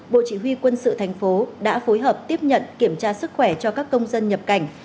bộ chỉ huy quân sự thành phố đã phối hợp tiếp nhận kiểm tra sức khỏe cho các công dân nhập cảnh